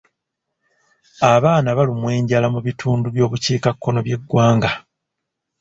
Abaana balumwa enjala mu bitundu by'obukiikakkono by'eggwanga.